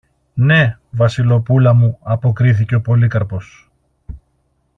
Ναι, Βασιλοπούλα μου, αποκρίθηκε ο Πολύκαρπος.